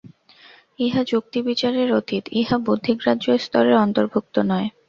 ইহা যুক্তি-বিচারের অতীত, ইহা বুদ্ধিগ্রাহ্য স্তরের অন্তর্ভুক্ত নয়।